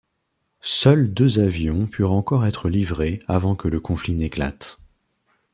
Seuls deux avions purent encore être livrés avant que le conflit n'éclate.